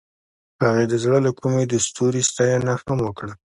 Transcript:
هغې د زړه له کومې د ستوري ستاینه هم وکړه.